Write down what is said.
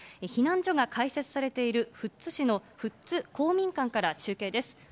避難所が開設されている富津市の富津公民館から中継です。